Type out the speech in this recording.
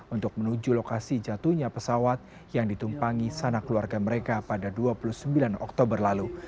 untuk menuju lokasi jatuhnya pesawat yang ditumpangi sana keluarga mereka pada dua puluh sembilan oktober lalu